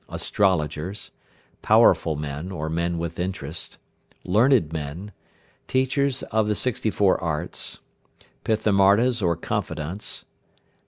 Astrologers. Powerful men, or men with interest. Learned men. Teachers of the sixty four arts. Pithamardas or confidants.